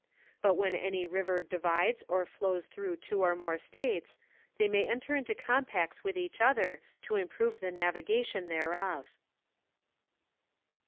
_But when any river divides or flows through two or more States, they may enter into compacts with each other to improve the navigation thereof.